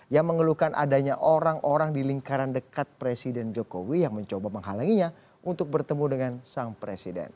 yang mengeluhkan adanya orang orang di lingkaran dekat presiden jokowi yang mencoba menghalanginya untuk bertemu dengan sang presiden